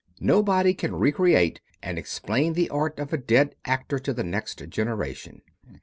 Nobody can recreate and explain the art of a dead actor to the next generation.